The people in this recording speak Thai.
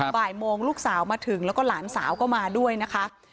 บ่ายโมงลูกสาวมาถึงแล้วก็หลานสาวก็มาด้วยนะคะ